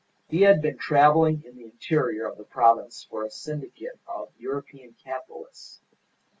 He had been travelling in the interior of the province for a syndicate of European capitalists.